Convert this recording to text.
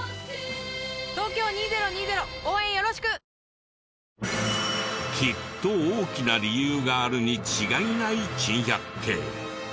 ＪＴきっと大きな理由があるに違いない珍百景。